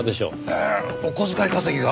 ええお小遣い稼ぎが？